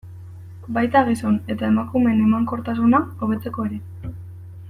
Baita gizon eta emakumeen emankortasuna hobetzeko ere.